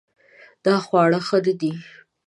دا خواړه ښه نه دي